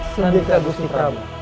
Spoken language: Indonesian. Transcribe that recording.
sedih gusti prabu